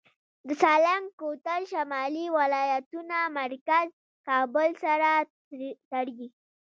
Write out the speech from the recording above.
د سالنګ کوتل شمالي ولایتونه مرکز کابل سره تړي